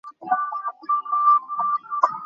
শীঘ্রই হরিদ্বার যাইব, বাসনা আছে।